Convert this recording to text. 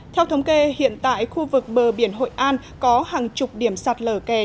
theo thống kê hiện tại khu vực bờ biển hội an có hàng chục điểm sạt lở kè